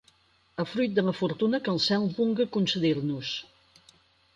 A fruir de la fortuna que el cel vulga concedir-nos.